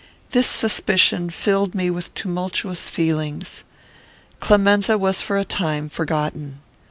This suspicion filled me with tumultuous feelings. Clemenza was for a time forgotten.